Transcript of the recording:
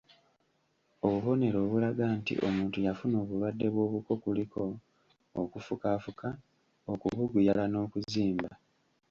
Obubonero obulaga nti omuntu yafuna obulwadde bw'obuko kuliko; okufukaafuka, okubuguyala n'okuzimba.